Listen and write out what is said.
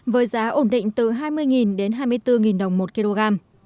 với giá ổn định từ hai mươi đến hai mươi bốn đồng một kg